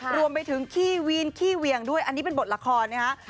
รวมไปถึงขี้วีนขี้เวียงด้วยอันนี้เป็นบทละครนะคะ